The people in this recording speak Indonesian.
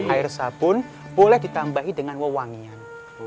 air sabun boleh ditambahi dengan wawangian